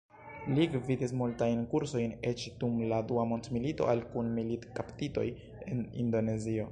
Li gvidis multajn kursojn, eĉ dum la dua mondmilito al kun-militkaptitoj en Indonezio.